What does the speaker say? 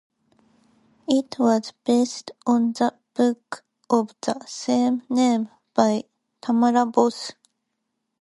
It was based on the book of the same name by Tamara Bos.